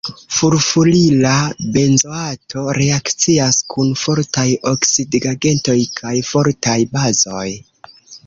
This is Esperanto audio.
Furfurila benzoato reakcias kun fortaj oksidigagentoj kaj fortaj bazoj.